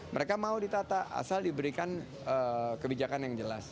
mereka mau ditata asal diberikan kebijakan yang jelas